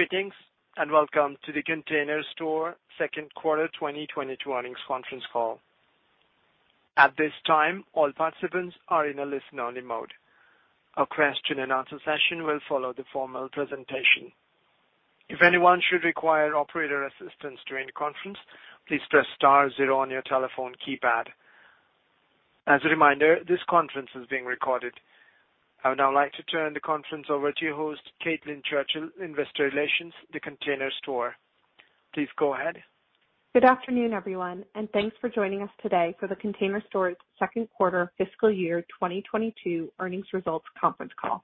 Greetings, and welcome to The Container Store second quarter 2022 earnings conference call. At this time, all participants are in a listen-only mode. A question and answer session will follow the formal presentation. If anyone should require operator assistance during the conference, please press star zero on your telephone keypad. As a reminder, this conference is being recorded. I would now like to turn the conference over to your host, Caitlin Churchill, Investor Relations, The Container Store. Please go ahead. Good afternoon, everyone, and thanks for joining us today for The Container Store's second quarter fiscal year 2022 earnings results conference call.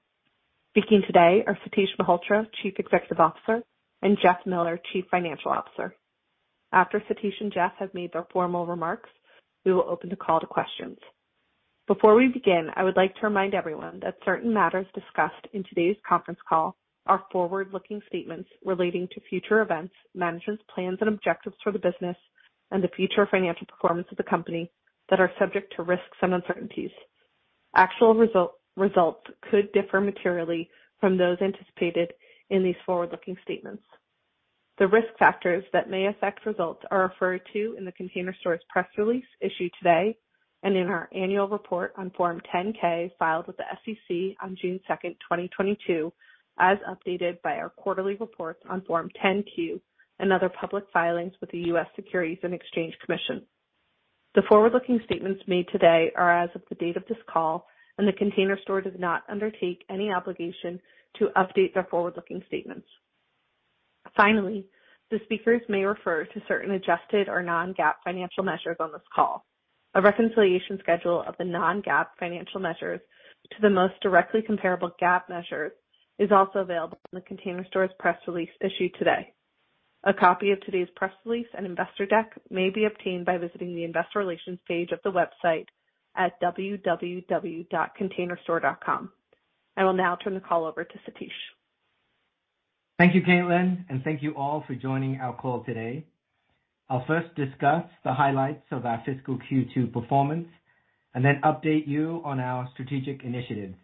Speaking today are Satish Malhotra, Chief Executive Officer, and Jeff Miller, Chief Financial Officer. After Satish and Jeff have made their formal remarks, we will open the call to questions. Before we begin, I would like to remind everyone that certain matters discussed in today's conference call are forward-looking statements relating to future events, management's plans and objectives for the business, and the future financial performance of the company that are subject to risks and uncertainties. Actual results could differ materially from those anticipated in these forward-looking statements. The risk factors that may affect results are referred to in The Container Store's press release issued today and in our annual report on Form 10-K filed with the SEC on June 2nd, 2022, as updated by our quarterly reports on Form 10-Q and other public filings with the U.S. Securities and Exchange Commission. The forward-looking statements made today are as of the date of this call, and The Container Store does not undertake any obligation to update their forward-looking statements. Finally, the speakers may refer to certain adjusted or non-GAAP financial measures on this call. A reconciliation schedule of the non-GAAP financial measures to the most directly comparable GAAP measure is also available in The Container Store's press release issued today. A copy of today's press release and investor deck may be obtained by visiting the investor relations page of the website at www.containerstore.com. I will now turn the call over to Satish. Thank you, Caitlin, and thank you all for joining our call today. I'll first discuss the highlights of our fiscal Q2 performance and then update you on our strategic initiatives.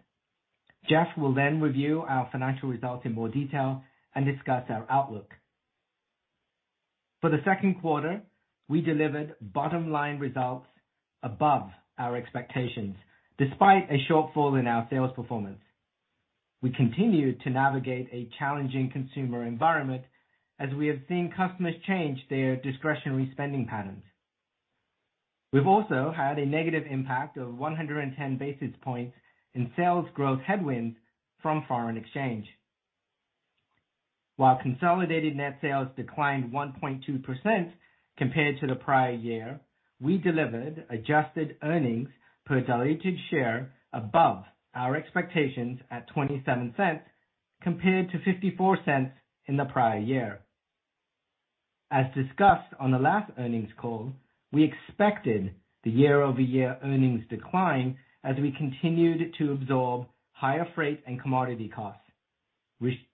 Jeff will then review our financial results in more detail and discuss our outlook. For the second quarter, we delivered bottom-line results above our expectations, despite a shortfall in our sales performance. We continued to navigate a challenging consumer environment as we have seen customers change their discretionary spending patterns. We've also had a negative impact of 110 basis points in sales growth headwinds from foreign exchange. While consolidated net sales declined 1.2% compared to the prior year, we delivered adjusted earnings per diluted share above our expectations at $0.27, compared to $0.54 in the prior year. As discussed on the last earnings call, we expected the year-over-year earnings decline as we continued to absorb higher freight and commodity costs,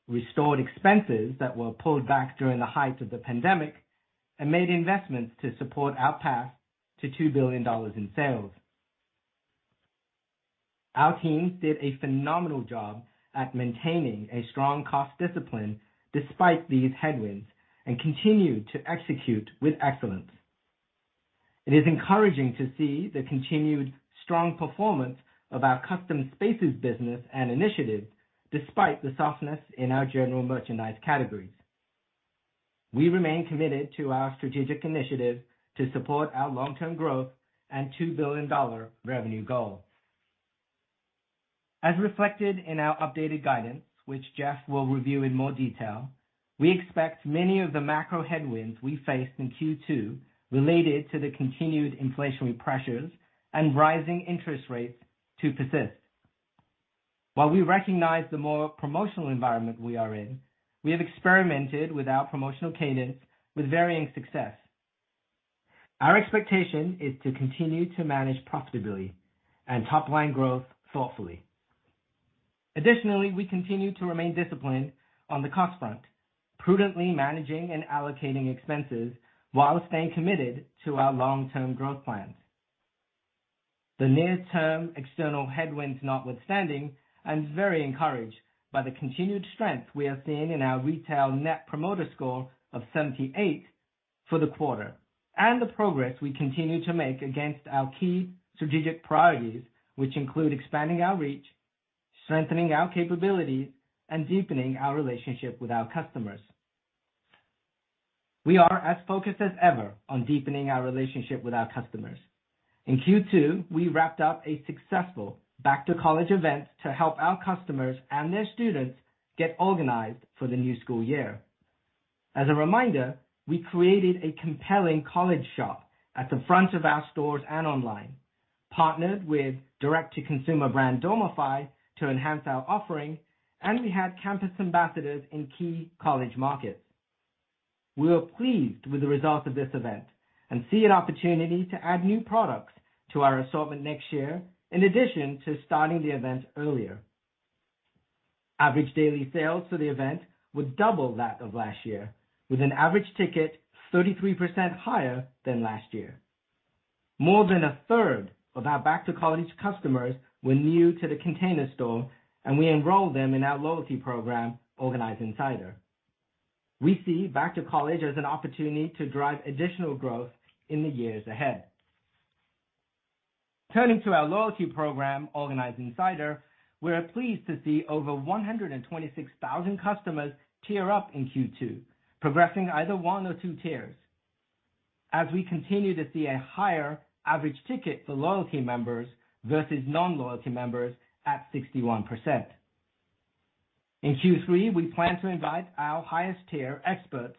restored expenses that were pulled back during the height of the pandemic, and made investments to support our path to $2 billion in sales. Our teams did a phenomenal job at maintaining a strong cost discipline despite these headwinds and continued to execute with excellence. It is encouraging to see the continued strong performance of our Custom Spaces business and initiatives despite the softness in our general merchandise categories. We remain committed to our strategic initiatives to support our long-term growth and $2 billion revenue goal. As reflected in our updated guidance, which Jeff will review in more detail, we expect many of the macro headwinds we faced in Q2 related to the continued inflationary pressures and rising interest rates to persist. While we recognize the more promotional environment we are in, we have experimented with our promotional cadence with varying success. Our expectation is to continue to manage profitability and top-line growth thoughtfully. Additionally, we continue to remain disciplined on the cost front, prudently managing and allocating expenses while staying committed to our long-term growth plans. The near-term external headwinds notwithstanding, I'm very encouraged by the continued strength we are seeing in our retail Net Promoter Score of 78 for the quarter and the progress we continue to make against our key strategic priorities, which include expanding our reach, strengthening our capabilities, and deepening our relationship with our customers. We are as focused as ever on deepening our relationship with our customers. In Q2, we wrapped up a successful back-to-college event to help our customers and their students get organized for the new school year. As a reminder, we created a compelling college shop at the front of our stores and online, partnered with direct-to-consumer brand Dormify to enhance our offering, and we had campus ambassadors in key college markets. We are pleased with the results of this event and see an opportunity to add new products to our assortment next year, in addition to starting the event earlier. Average daily sales for the event were double that of last year, with an average ticket 33% higher than last year. More than a third of our back-to-college customers were new to The Container Store, and we enrolled them in our loyalty program, Organized Insider. We see back to college as an opportunity to drive additional growth in the years ahead. Turning to our loyalty program, Organized Insider, we are pleased to see over 126,000 customers tier up in Q2, progressing either one or two tiers as we continue to see a higher average ticket for loyalty members versus non-loyalty members at 61%. In Q3, we plan to invite our highest tier experts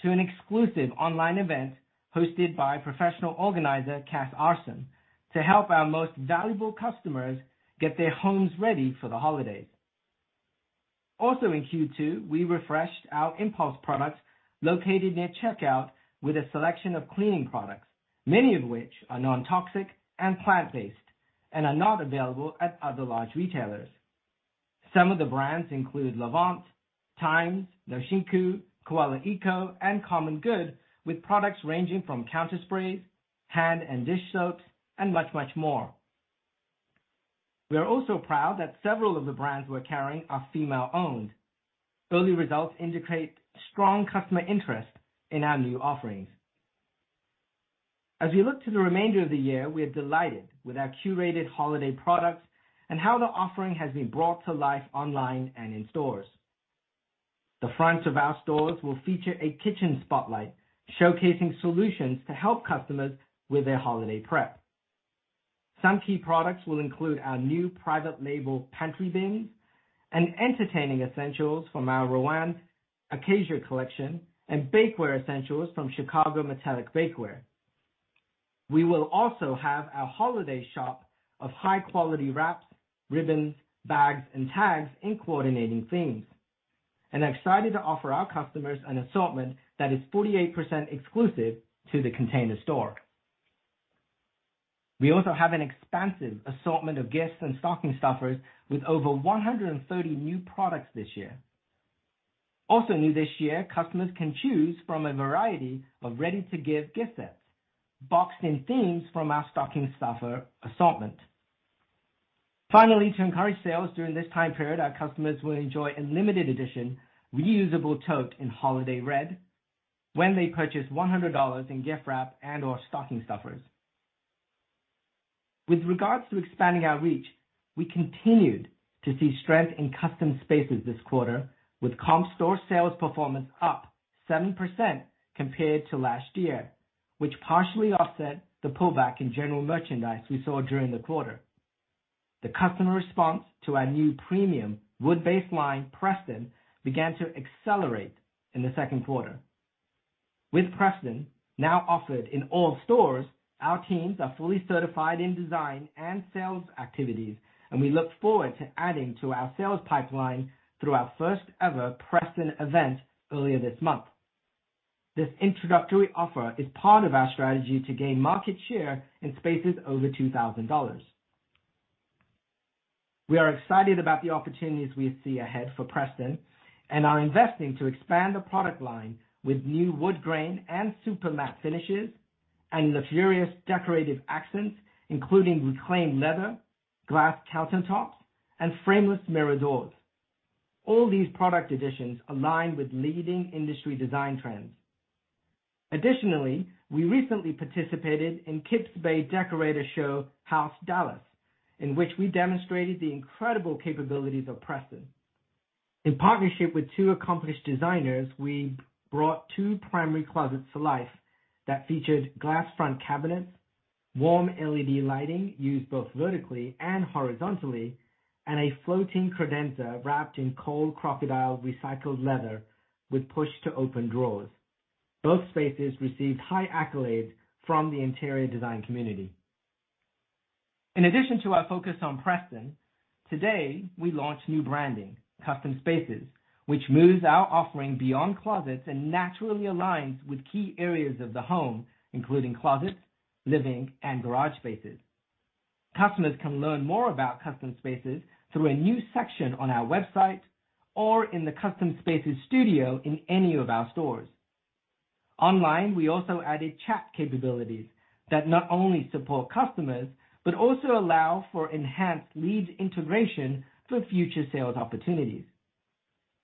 to an exclusive online event hosted by professional organizer Cas Aarssen, to help our most valuable customers get their homes ready for the holidays. Also in Q2, we refreshed our impulse products located near checkout with a selection of cleaning products, many of which are non-toxic and plant-based and are not available at other large retailers. Some of the brands include L'AVANT, Thymes, Noshinku, Koala Eco, and Common Good, with products ranging from counter sprays, hand and dish soaps, and much, much more. We are also proud that several of the brands we're carrying are female-owned. Early results indicate strong customer interest in our new offerings. As we look to the remainder of the year, we are delighted with our curated holiday products and how the offering has been brought to life online and in stores. The fronts of our stores will feature a kitchen spotlight showcasing solutions to help customers with their holiday prep. Some key products will include our new private label pantry bins and entertaining essentials from our Rowan Acacia collection and bakeware essentials from Chicago Metallic Bakeware. We will also have our holiday shop of high quality wraps, ribbons, bags, and tags in coordinating themes, and are excited to offer our customers an assortment that is 48% exclusive to The Container Store. We also have an expansive assortment of gifts and stocking stuffers with over 130 new products this year. Also new this year, customers can choose from a variety of ready-to-give gift sets, boxed in themes from our stocking stuffer assortment. Finally, to encourage sales during this time period, our customers will enjoy a limited edition reusable tote in holiday red when they purchase $100 in gift wrap and/or stocking stuffers. With regards to expanding our reach, we continued to see strength in Custom Spaces this quarter, with comp store sales performance up 7% compared to last year, which partially offset the pullback in general merchandise we saw during the quarter. The customer response to our new premium wood-based line, Preston, began to accelerate in the second quarter. With Preston now offered in all stores, our teams are fully certified in design and sales activities, and we look forward to adding to our sales pipeline through our first ever Preston event earlier this month. This introductory offer is part of our strategy to gain market share in spaces over $2,000. We are excited about the opportunities we see ahead for Preston and are investing to expand the product line with new wood grain and super matte finishes and luxurious decorative accents, including reclaimed leather, glass countertop, and frameless mirror doors. All these product additions align with leading industry design trends. Additionally, we recently participated in Kips Bay Decorator Show House Dallas, in which we demonstrated the incredible capabilities of Preston. In partnership with two accomplished designers, we brought two primary closets to life that featured glass front cabinets, warm LED lighting used both vertically and horizontally, and a floating credenza wrapped in cold crocodile recycled leather with push-to-open drawers. Both spaces received high accolades from the interior design community. In addition to our focus on Preston, today, we launched new branding, Custom Spaces, which moves our offering beyond closets and naturally aligns with key areas of the home, including closets, living, and garage spaces. Customers can learn more about Custom Spaces through a new section on our website or in the Custom Spaces studio in any of our stores. Online, we also added chat capabilities that not only support customers, but also allow for enhanced lead integration for future sales opportunities.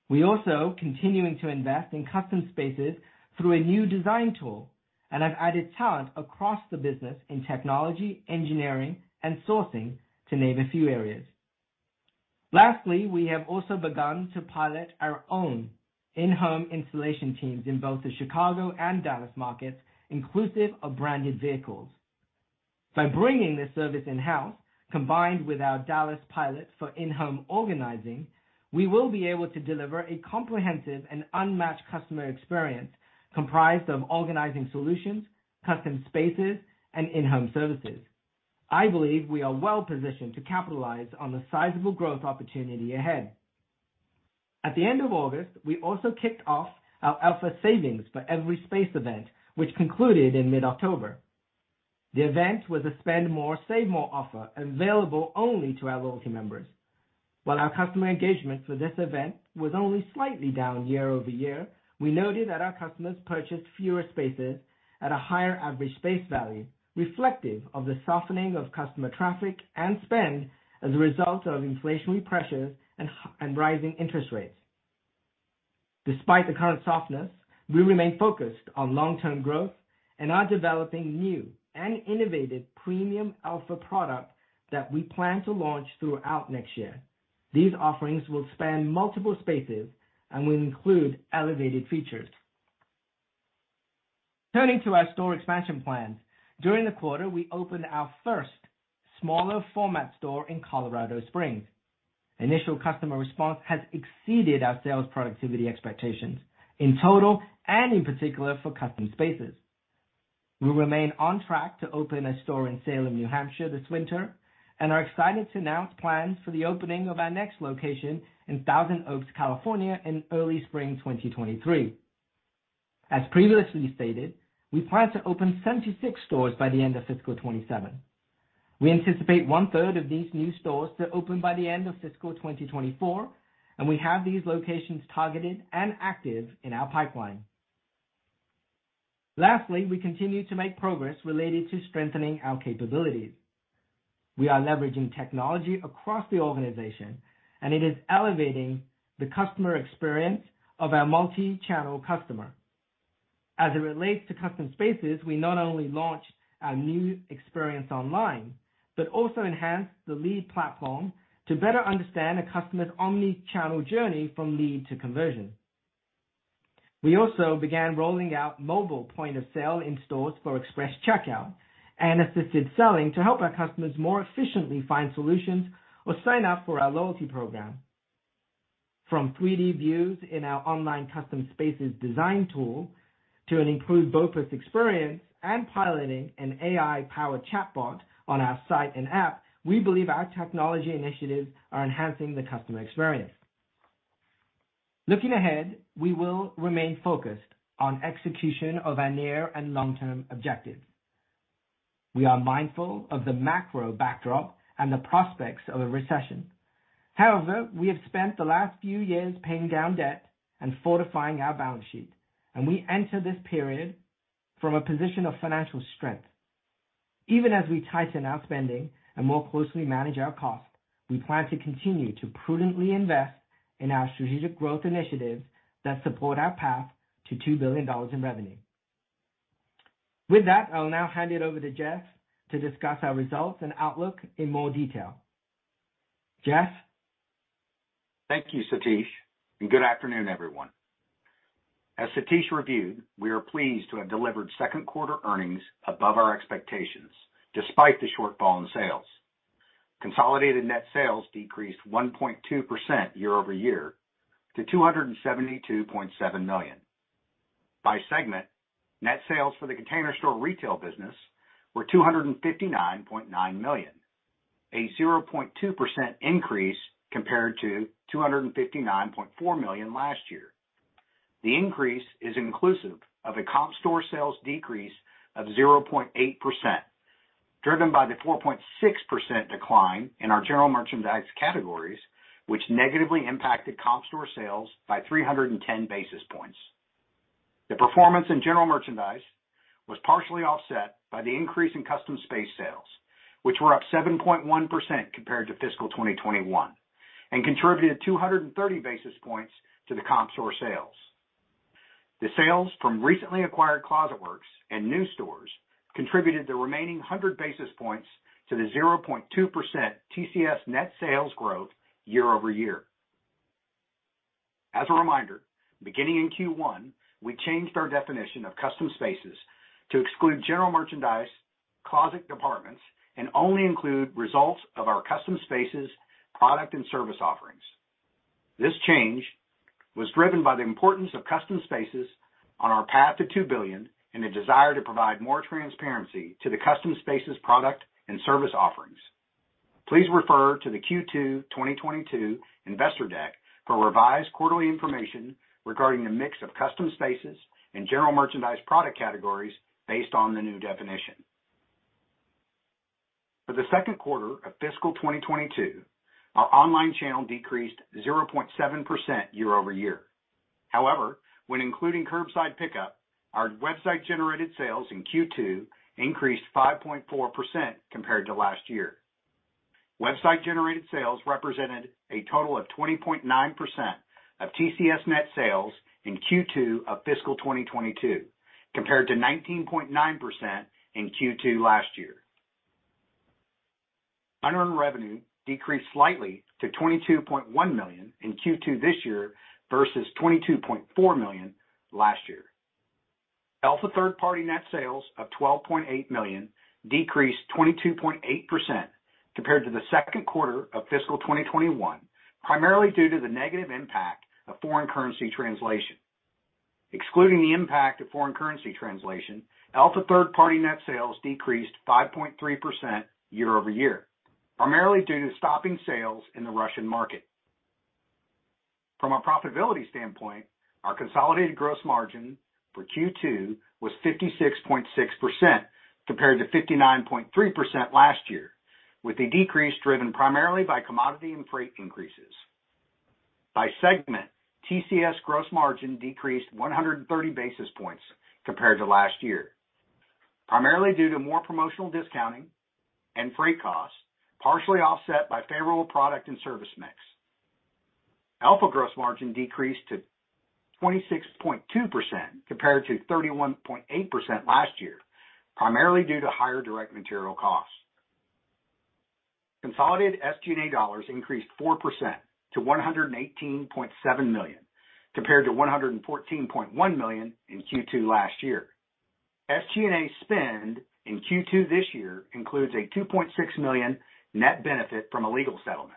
We are also continuing to invest in Custom Spaces through a new design tool and have added talent across the business in technology, engineering, and sourcing, to name a few areas. Lastly, we have also begun to pilot our own in-home installation teams in both the Chicago and Dallas markets, inclusive of branded vehicles. By bringing this service in-house, combined with our Dallas pilot for in-home organizing, we will be able to deliver a comprehensive and unmatched customer experience comprised of organizing solutions, custom spaces, and in-home services. I believe we are well-positioned to capitalize on the sizable growth opportunity ahead. At the end of August, we also kicked off our Elfa Savings for every space event, which concluded in mid-October. The event was a spend more, save more offer available only to our loyalty members. While our customer engagement for this event was only slightly down year-over-year, we noted that our customers purchased fewer spaces at a higher average space value, reflective of the softening of customer traffic and spend as a result of inflationary pressures and rising interest rates. Despite the current softness, we remain focused on long-term growth and are developing new and innovative premium Elfa product that we plan to launch throughout next year. These offerings will span multiple spaces and will include elevated features. Turning to our store expansion plans. During the quarter, we opened our first smaller format store in Colorado Springs. Initial customer response has exceeded our sales productivity expectations in total, and in particular for custom spaces. We remain on track to open a store in Salem, New Hampshire this winter, and are excited to announce plans for the opening of our next location in Thousand Oaks, California in early spring 2023. As previously stated, we plan to open 76 stores by the end of fiscal 2027. We anticipate one-third of these new stores to open by the end of fiscal 2024, and we have these locations targeted and active in our pipeline. Lastly, we continue to make progress related to strengthening our capabilities. We are leveraging technology across the organization, and it is elevating the customer experience of our multi-channel customer. As it relates to Custom Spaces, we not only launched our new experience online, but also enhanced the lead platform to better understand a customer's omni-channel journey from lead to conversion. We also began rolling out mobile point of sale in stores for express checkout and assisted selling to help our customers more efficiently find solutions or sign up for our loyalty program. From 3-D views in our online Custom Spaces design tool to an improved BOPIS experience and piloting an AI-powered chatbot on our site and app, we believe our technology initiatives are enhancing the customer experience. Looking ahead, we will remain focused on execution of our near and long-term objectives. We are mindful of the macro backdrop and the prospects of a recession. However, we have spent the last few years paying down debt and fortifying our balance sheet, and we enter this period from a position of financial strength. Even as we tighten our spending and more closely manage our cost, we plan to continue to prudently invest in our strategic growth initiatives that support our path to $2 billion in revenue. With that, I'll now hand it over to Jeff to discuss our results and outlook in more detail. Jeff? Thank you, Satish, and good afternoon, everyone. As Satish reviewed, we are pleased to have delivered second quarter earnings above our expectations, despite the shortfall in sales. Consolidated net sales decreased 1.2% year-over-year to $272.7 million. By segment, net sales for The Container Store retail business were $259.9 million, a 0.2% increase compared to $259.4 million last year. The increase is inclusive of a comp store sales decrease of 0.8%, driven by the 4.6% decline in our general merchandise categories, which negatively impacted comp store sales by 310 basis points. The performance in general merchandise was partially offset by the increase in custom spaces sales, which were up 7.1% compared to fiscal 2021, and contributed 230 basis points to the comp store sales. The sales from recently acquired Closet Works and new stores contributed the remaining 100 basis points to the 0.2% TCS net sales growth year-over-year. As a reminder, beginning in Q1, we changed our definition of custom spaces to exclude general merchandise, closet departments, and only include results of our Custom Spaces product and service offerings. This change was driven by the importance of custom spaces on our path to $2 billion and a desire to provide more transparency to the Custom Spaces product and service offerings. Please refer to the Q2 2022 investor deck for revised quarterly information regarding the mix of custom spaces and general merchandise product categories based on the new definition. For the second quarter of fiscal 2022, our online channel decreased 0.7% year-over-year. However, when including curbside pickup, our website-generated sales in Q2 increased 5.4% compared to last year. Website-generated sales represented a total of 20.9% of TCS net sales in Q2 of fiscal 2022, compared to 19.9% in Q2 last year. Unearned revenue decreased slightly to $22.1 million in Q2 this year versus $22.4 million last year. Elfa third-party net sales of $12.8 million decreased 22.8% compared to the second quarter of fiscal 2021, primarily due to the negative impact of foreign currency translation. Excluding the impact of foreign currency translation, Elfa third-party net sales decreased 5.3% year-over-year, primarily due to stopping sales in the Russian market. From a profitability standpoint, our consolidated gross margin for Q2 was 56.6% compared to 59.3% last year, with the decrease driven primarily by commodity and freight increases. By segment, TCS gross margin decreased 130 basis points compared to last year, primarily due to more promotional discounting and freight costs, partially offset by favorable product and service mix. Elfa gross margin decreased to 26.2% compared to 31.8% last year, primarily due to higher direct material costs. Consolidated SG&A dollars increased 4% to $118.7 million, compared to $114.1 million in Q2 last year. SG&A spend in Q2 this year includes a $2.6 million net benefit from a legal settlement.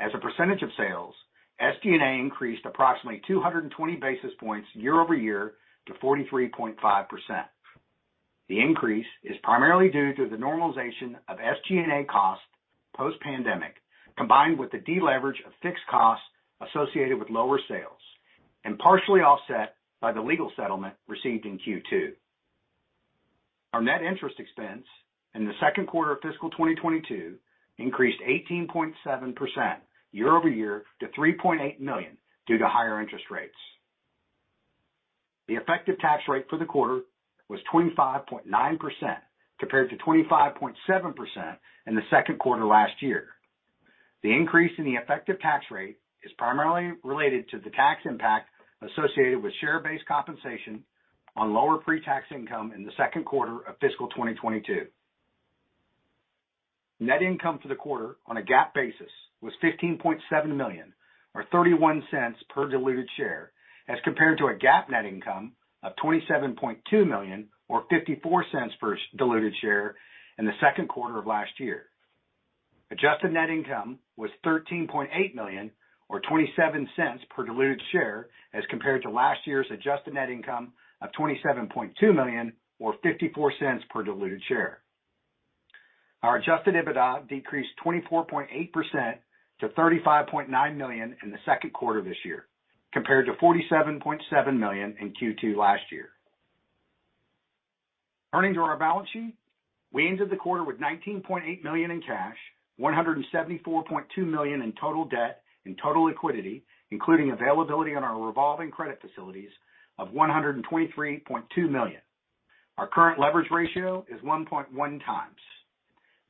As a percentage of sales, SG&A increased approximately 220 basis points year-over-year to 43.5%. The increase is primarily due to the normalization of SG&A costs post-pandemic, combined with the deleverage of fixed costs associated with lower sales and partially offset by the legal settlement received in Q2. Our net interest expense in the second quarter of fiscal 2022 increased 18.7% year-over-year to $3.8 million due to higher interest rates. The effective tax rate for the quarter was 25.9%, compared to 25.7% in the second quarter last year. The increase in the effective tax rate is primarily related to the tax impact associated with share-based compensation on lower pre-tax income in the second quarter of fiscal 2022. Net income for the quarter on a GAAP basis was $15.7 million or $0.31 per diluted share as compared to a GAAP net income of $27.2 million or $0.54 per diluted share in the second quarter of last year. Adjusted net income was $13.8 million or $0.27 per diluted share as compared to last year's adjusted net income of $27.2 million or $0.54 per diluted share. Our adjusted EBITDA decreased 24.8% to $35.9 million in the second quarter this year, compared to $47.7 million in Q2 last year. Turning to our balance sheet, we ended the quarter with $19.8 million in cash, $174.2 million in total debt and total liquidity, including availability on our revolving credit facilities of $123.2 million. Our current leverage ratio is 1.1x.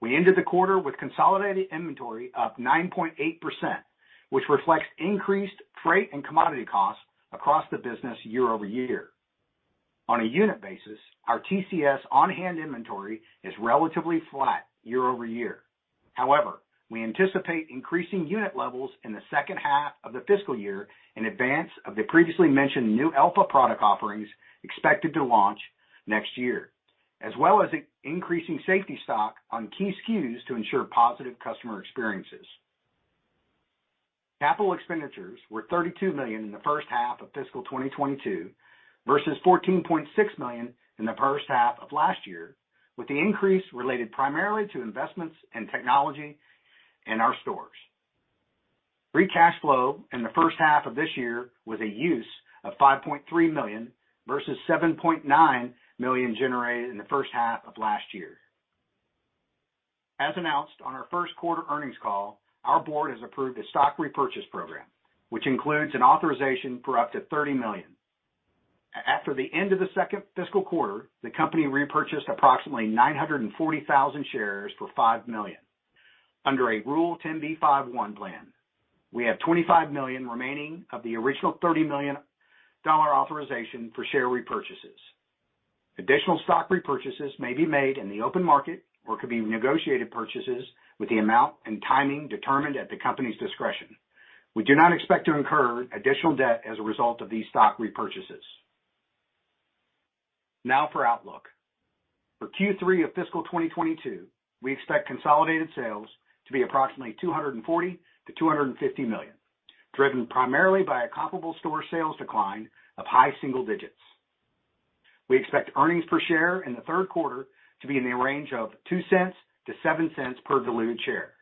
We ended the quarter with consolidated inventory up 9.8%, which reflects increased freight and commodity costs across the business year-over-year. On a unit basis, our TCS on-hand inventory is relatively flat year-over-year. However, we anticipate increasing unit levels in the second half of the fiscal year in advance of the previously mentioned new Elfa product offerings expected to launch next year, as well as increasing safety stock on key SKUs to ensure positive customer experiences. Capital expenditures were $32 million in the first half of fiscal 2022 versus $14.6 million in the first half of last year, with the increase related primarily to investments in technology in our stores. Free cash flow in the first half of this year was a use of $5.3 million versus $7.9 million generated in the first half of last year. As announced on our first quarter earnings call, our board has approved a stock repurchase program, which includes an authorization for up to $30 million. After the end of the second fiscal quarter, the company repurchased approximately 940,000 shares for $5 million under a Rule 10b5-1 plan. We have $25 million remaining of the original $30 million dollar authorization for share repurchases. Additional stock repurchases may be made in the open market or could be negotiated purchases with the amount and timing determined at the company's discretion. We do not expect to incur additional debt as a result of these stock repurchases. Now for outlook. For Q3 of fiscal 2022, we expect consolidated sales to be approximately $240 million-$250 million, driven primarily by a comparable store sales decline of high single digits. We expect earnings per share in the third quarter to be in the range of $0.02-$0.07 per diluted share.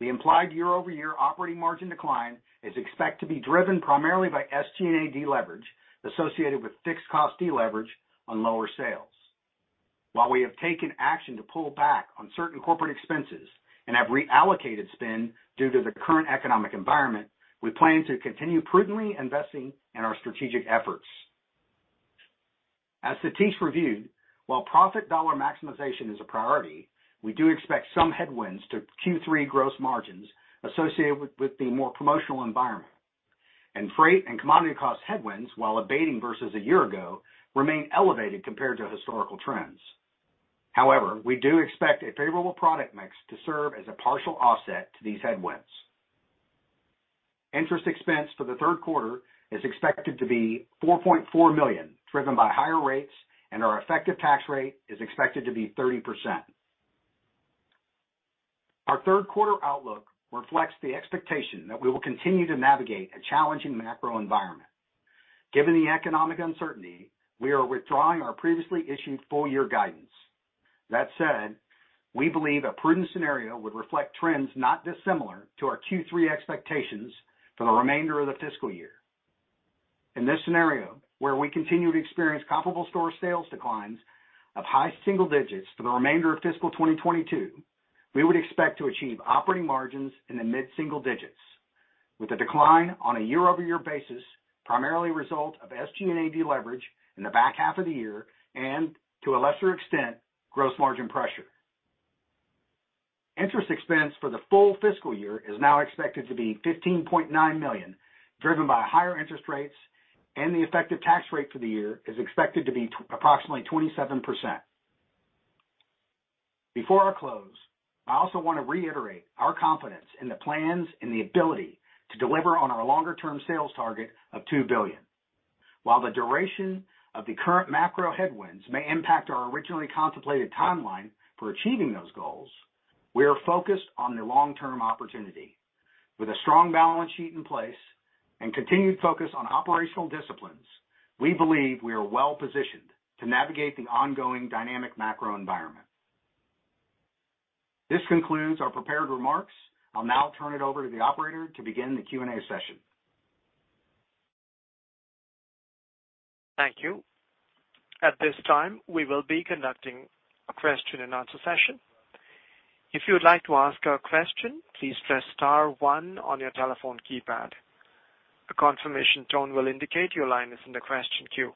The implied year-over-year operating margin decline is expected to be driven primarily by SG&A deleverage associated with fixed cost deleverage on lower sales. While we have taken action to pull back on certain corporate expenses and have reallocated spend due to the current economic environment, we plan to continue prudently investing in our strategic efforts. As Satish reviewed, while profit dollar maximization is a priority, we do expect some headwinds to Q3 gross margins associated with the more promotional environment. Freight and commodity cost headwinds, while abating versus a year ago, remain elevated compared to historical trends. However, we do expect a favorable product mix to serve as a partial offset to these headwinds. Interest expense for the third quarter is expected to be $4.4 million, driven by higher rates, and our effective tax rate is expected to be 30%. Our third quarter outlook reflects the expectation that we will continue to navigate a challenging macro environment. Given the economic uncertainty, we are withdrawing our previously issued full-year guidance. That said, we believe a prudent scenario would reflect trends not dissimilar to our Q3 expectations for the remainder of the fiscal year. In this scenario, where we continue to experience comparable store sales declines of high single digits for the remainder of fiscal 2022, we would expect to achieve operating margins in the mid-single digits, with a decline on a year-over-year basis, primarily a result of SG&A deleverage in the back half of the year and, to a lesser extent, gross margin pressure. Interest expense for the full fiscal year is now expected to be $15.9 million, driven by higher interest rates, and the effective tax rate for the year is expected to be approximately 27%. Before I close, I also wanna reiterate our confidence in the plans and the ability to deliver on our longer-term sales target of $2 billion. While the duration of the current macro headwinds may impact our originally contemplated timeline for achieving those goals, we are focused on the long-term opportunity. With a strong balance sheet in place and continued focus on operational disciplines, we believe we are well-positioned to navigate the ongoing dynamic macro environment. This concludes our prepared remarks. I'll now turn it over to the operator to begin the Q&A session. Thank you. At this time, we will be conducting a question and answer session. If you would like to ask a question, please press star one on your telephone keypad. A confirmation tone will indicate your line is in the question queue.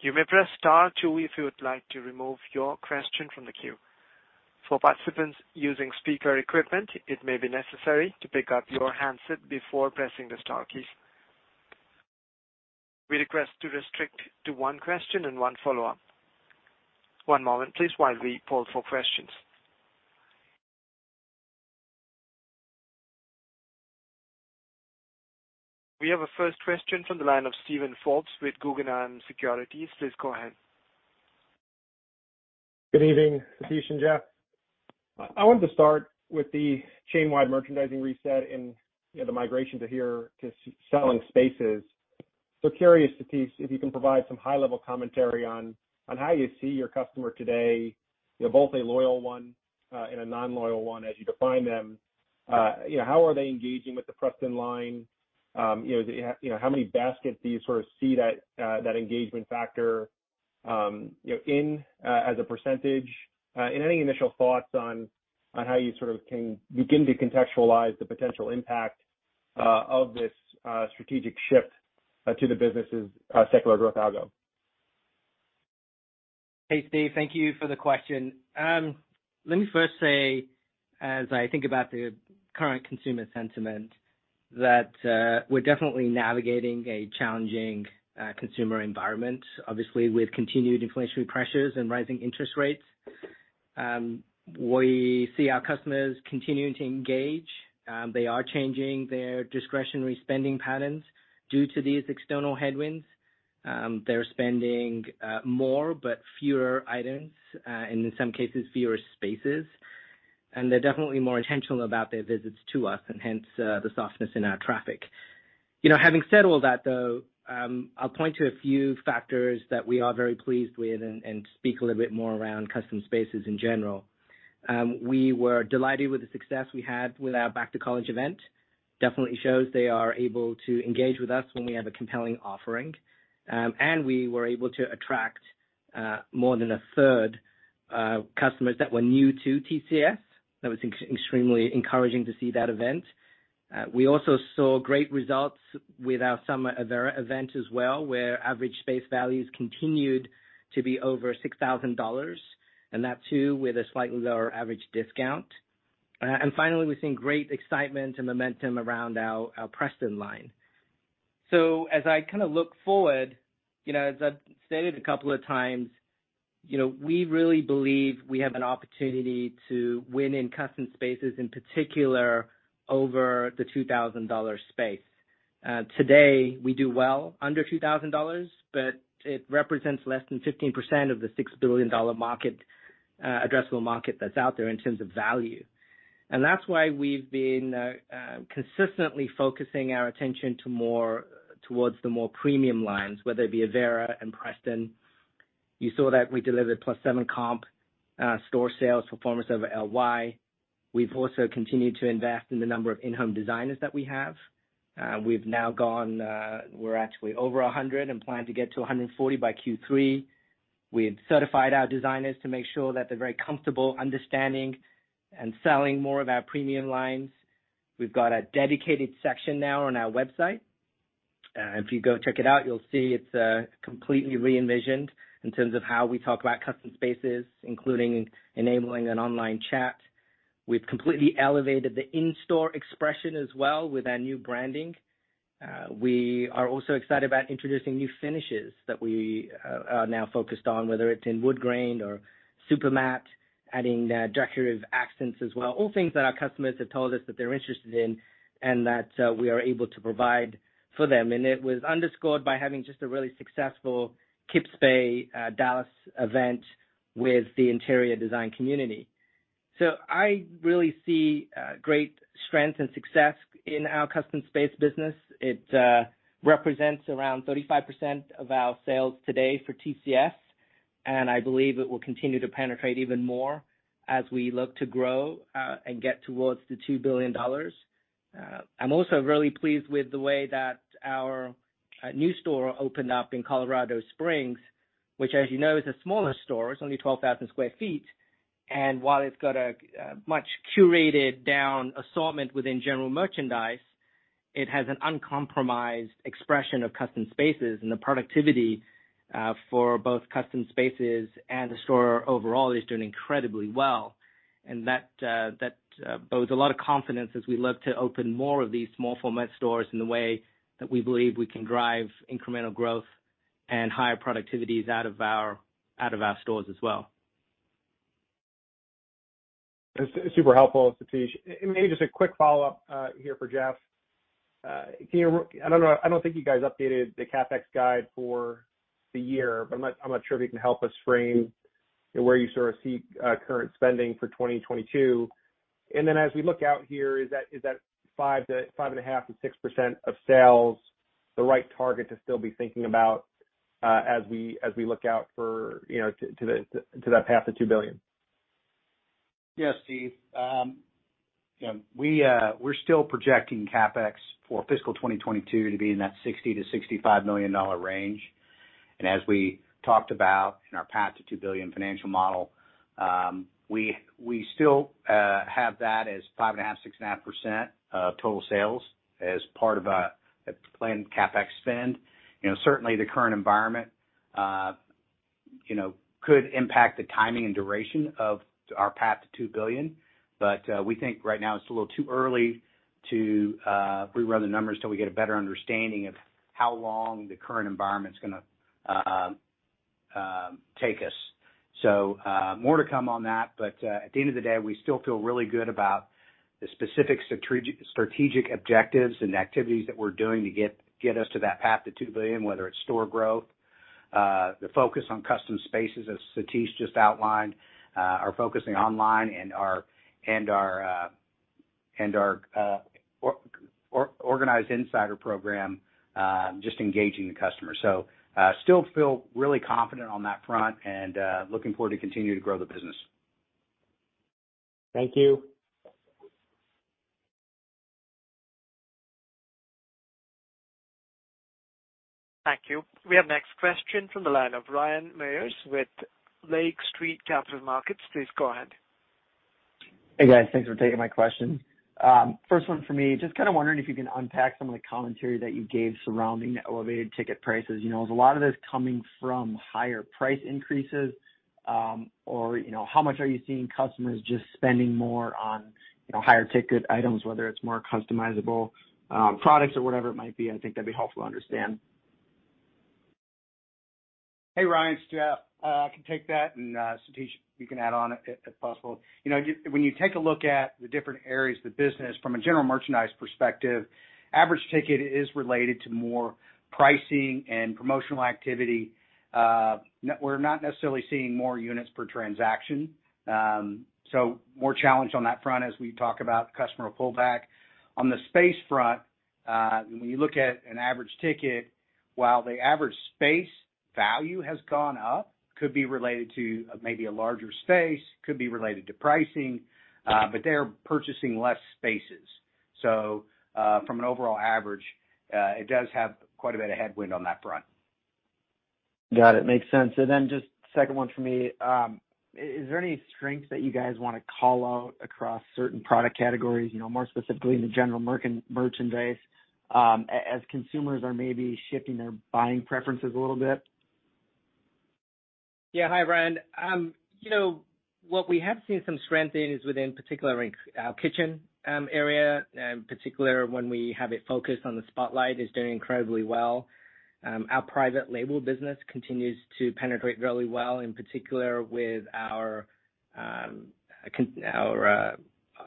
You may press star two if you would like to remove your question from the queue. For participants using speaker equipment, it may be necessary to pick up your handset before pressing the star keys. We request to restrict to one question and one follow-up. One moment, please, while we poll for questions. We have a first question from the line of Steven Forbes with Guggenheim Securities. Please go ahead. Good evening, Satish and Jeff. I wanted to start with the chain-wide merchandising reset and, you know, the migration to here-to-stay selling spaces. Curious, Satish, if you can provide some high-level commentary on how you see your customer today, you know, both a loyal one and a non-loyal one as you define them. You know, how are they engaging with the Preston line? You know, how many baskets do you sort of see that engagement factor, you know, in as a percentage? And any initial thoughts on how you sort of can begin to contextualize the potential impact of this strategic shift to the business's secular growth algo? Hey, Steve. Thank you for the question. Let me first say, as I think about the current consumer sentiment, that we're definitely navigating a challenging consumer environment, obviously, with continued inflationary pressures and rising interest rates. We see our customers continuing to engage. They are changing their discretionary spending patterns due to these external headwinds. They're spending more but fewer items, and in some cases, fewer spaces. They're definitely more intentional about their visits to us and hence the softness in our traffic. You know, having said all that, though, I'll point to a few factors that we are very pleased with and speak a little bit more around custom spaces in general. We were delighted with the success we had with our back-to-college event. Definitely shows they are able to engage with us when we have a compelling offering. We were able to attract more than a third customers that were new to TCS. That was extremely encouraging to see that event. We also saw great results with our summer Avera event as well, where average space values continued to be over $6,000, and that too with a slightly lower average discount. Finally, we're seeing great excitement and momentum around our Preston line. As I kinda look forward, you know, as I've stated a couple of times, you know, we really believe we have an opportunity to win in custom spaces, in particular over the $2,000 space. Today, we do well under $2,000, but it represents less than 15% of the $6 billion market addressable market that's out there in terms of value. That's why we've been consistently focusing our attention towards the more premium lines, whether it be Avera and Preston. You saw that we delivered +7 comp store sales performance over LY. We've also continued to invest in the number of in-home designers that we have. We're actually over 100 and plan to get to 140 by Q3. We have certified our designers to make sure that they're very comfortable understanding and selling more of our premium lines. We've got a dedicated section now on our website. If you go check it out, you'll see it's completely re-envisioned in terms of how we talk about custom spaces, including enabling an online chat. We've completely elevated the in-store expression as well with our new branding. We are also excited about introducing new finishes that we are now focused on, whether it's in wood grain or super matte, adding decorative accents as well. All things that our customers have told us that they're interested in and that we are able to provide for them. It was underscored by having just a really successful Kips Bay Dallas event with the interior design community. I really see great strength and success in our Custom Space business. It represents around 35% of our sales today for TCS, and I believe it will continue to penetrate even more as we look to grow and get towards the $2 billion. I'm also really pleased with the way that our new store opened up in Colorado Springs, which as you know, is a smaller store. It's only 12,000 sq ft. While it's got a much curated down assortment within general merchandise, it has an uncompromised expression of custom spaces and the productivity for both custom spaces and the store overall is doing incredibly well. That bodes a lot of confidence as we look to open more of these small format stores in the way that we believe we can drive incremental growth and higher productivities out of our stores as well. It's super helpful, Satish. Maybe just a quick follow-up here for Jeff. I don't know, I don't think you guys updated the CapEx guide for the year, but I'm not sure if you can help us frame where you sort of see current spending for 2022. As we look out here, is that 5% to 5.5% to 6% of sales the right target to still be thinking about as we look out for, you know, to that path to $2 billion? Yes, Steven. You know, we're still projecting CapEx for fiscal 2022 to be in that $60-$65 million range. As we talked about in our path to two billion financial model, we still have that as 5.5%-6.5% of total sales as part of a planned CapEx spend. You know, certainly the current environment could impact the timing and duration of our path to two billion. We think right now it's a little too early to rerun the numbers till we get a better understanding of how long the current environment's gonna take us. More to come on that, but at the end of the day, we still feel really good about the specific strategic objectives and activities that we're doing to get us to that path to $2 billion, whether it's store growth, the focus on Custom Spaces, as Satish just outlined, our focusing online and our Organized Insider program, just engaging the customer. Still feel really confident on that front and looking forward to continue to grow the business. Thank you. Thank you. We have next question from the line of Ryan Meyers with Lake Street Capital Markets. Please go ahead. Hey, guys. Thanks for taking my question. First one for me, just kind of wondering if you can unpack some of the commentary that you gave surrounding the elevated ticket prices. You know, is a lot of this coming from higher price increases, or, you know, how much are you seeing customers just spending more on, you know, higher ticket items, whether it's more customizable, products or whatever it might be. I think that'd be helpful to understand. Hey, Ryan, it's Jeff. I can take that, and Satish, you can add on if possible. You know, when you take a look at the different areas of the business from a general merchandise perspective, average ticket is related to more pricing and promotional activity. We're not necessarily seeing more units per transaction, so more challenged on that front as we talk about customer pullback. On the space front, when you look at an average ticket, while the average space value has gone up, could be related to maybe a larger space, could be related to pricing, but they are purchasing less spaces. From an overall average, it does have quite a bit of headwind on that front. Got it. Makes sense. Just second one for me. Is there any strengths that you guys wanna call out across certain product categories, you know, more specifically in the general merchandise, as consumers are maybe shifting their buying preferences a little bit? Yeah. Hi, Ryan. You know, what we have seen some strength in is in particular in our kitchen area, in particular when we have it focused on the spotlight, is doing incredibly well. Our private label business continues to penetrate really well, in particular with our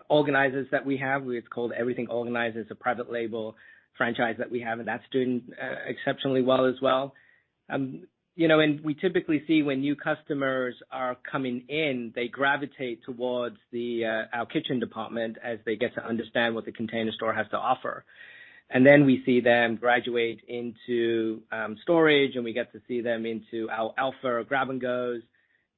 organizers that we have. We've called Everything Organizer. It's a private label franchise that we have, and that's doing exceptionally well as well. You know, we typically see when new customers are coming in, they gravitate towards our kitchen department as they get to understand what The Container Store has to offer. Then we see them graduate into storage, and we get to see them into our Elfa Grab & Go's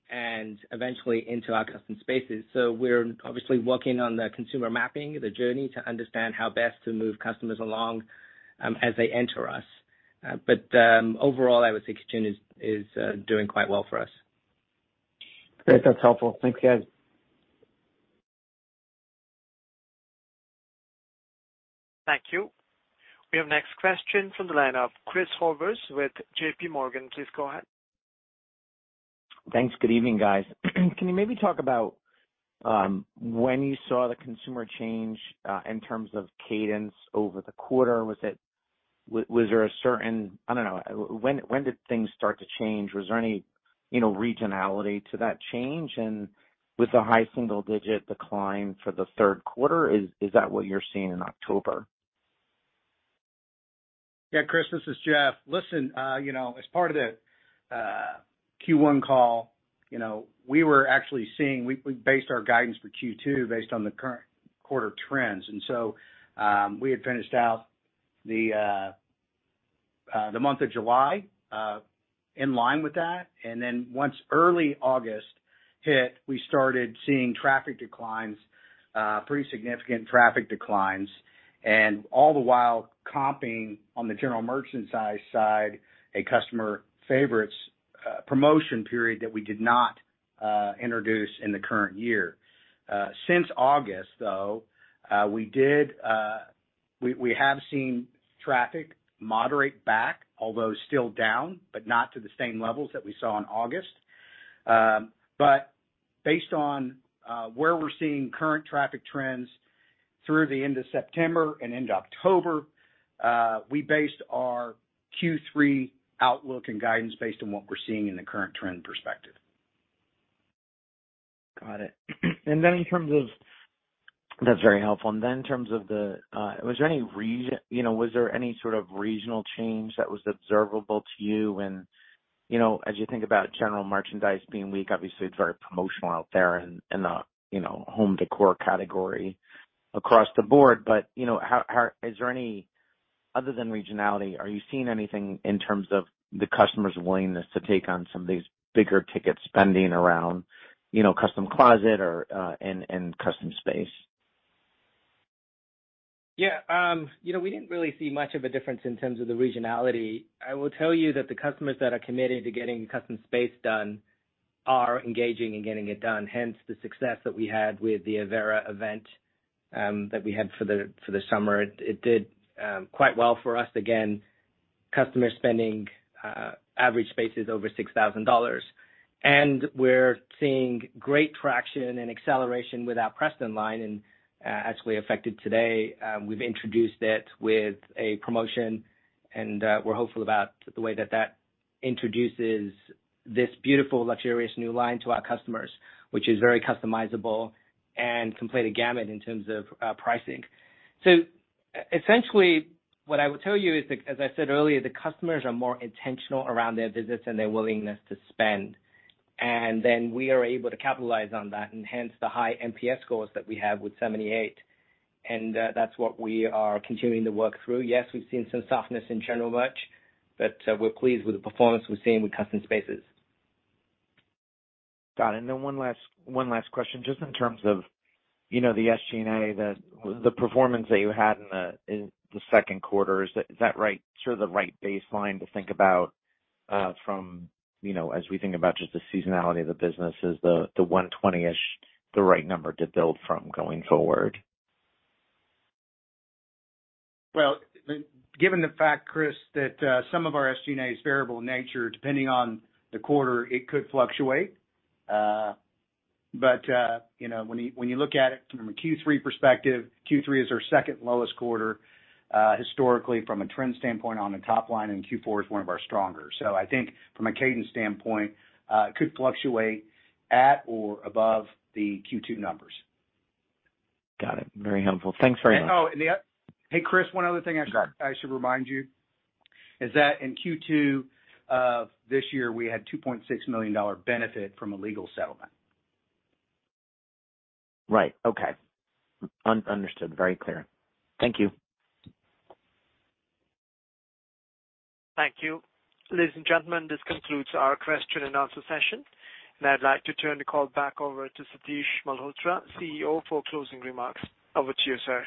and eventually into our custom spaces. We're obviously working on the consumer mapping, the journey to understand how best to move customers along, as they enter us. Overall, I would say kitchen is doing quite well for us. Great. That's helpful. Thanks, guys. Thank you. We have next question from the line of Chris Horvers with JPMorgan. Please go ahead. Thanks. Good evening, guys. Can you maybe talk about when you saw the consumer change in terms of cadence over the quarter? Was there a certain? I don't know. When did things start to change? Was there any regionality to that change? With the high single digit decline for the third quarter, is that what you're seeing in October? Yeah, Chris, this is Jeff. Listen, you know, as part of the Q1 call, you know, we based our guidance for Q2 based on the current quarter trends. We had finished out the month of July in line with that. Once early August hit, we started seeing traffic declines, pretty significant traffic declines. All the while comping on the general merchandise side, a customer favorites promotion period that we did not introduce in the current year. Since August, though, we have seen traffic moderate back, although still down, but not to the same levels that we saw in August. Based on where we're seeing current traffic trends through the end of September and end of October, we based our Q3 outlook and guidance based on what we're seeing in the current trend perspective. Got it. That's very helpful. In terms of the, was there any sort of regional change that was observable to you when you know, as you think about general merchandise being weak, obviously it's very promotional out there in the you know, home decor category across the board. You know, how is there any, other than regionality, are you seeing anything in terms of the customer's willingness to take on some of these big-ticket spending around you know, custom closet or and custom space? Yeah. You know, we didn't really see much of a difference in terms of the regionality. I will tell you that the customers that are committed to getting custom space done are engaging in getting it done, hence the success that we had with the Avera event that we had for the summer. It did quite well for us. Again, customer spending average space is over $6,000. We're seeing great traction and acceleration with our Preston line and actually, effective today. We've introduced it with a promotion, and we're hopeful about the way that that introduces this beautiful, luxurious new line to our customers, which is very customizable and completes the gamut in terms of pricing. Essentially, what I will tell you is that, as I said earlier, the customers are more intentional around their visits and their willingness to spend. Then we are able to capitalize on that and hence the high NPS scores that we have with 78. That's what we are continuing to work through. Yes, we've seen some softness in general merch, but we're pleased with the performance we're seeing with custom spaces. Got it. One last question. Just in terms of, you know, the SG&A, the performance that you had in the second quarter. Is that right, sort of the right baseline to think about, from, you know, as we think about just the seasonality of the business, is the 120-ish the right number to build from going forward? Well, given the fact, Chris, that some of our SG&A is variable in nature, depending on the quarter, it could fluctuate. You know, when you look at it from a Q3 perspective, Q3 is our second lowest quarter, historically from a trend standpoint on the top line, and Q4 is one of our stronger. I think from a cadence standpoint, could fluctuate at or above the Q2 numbers. Got it. Very helpful. Thanks very much. Hey, Chris, one other thing I should. Got it. I should remind you that in Q2 of this year, we had a $2.6 million benefit from a legal settlement. Right. Okay. Understood. Very clear. Thank you. Thank you. Ladies and gentlemen, this concludes our question and answer session, and I'd like to turn the call back over to Satish Malhotra, CEO, for closing remarks. Over to you, sir.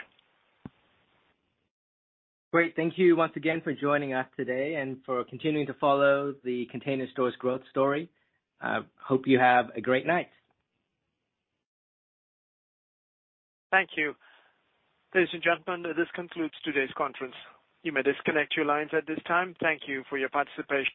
Great. Thank you once again for joining us today and for continuing to follow The Container Store's growth story. Hope you have a great night. Thank you. Ladies and gentlemen, this concludes today's conference. You may disconnect your lines at this time. Thank you for your participation.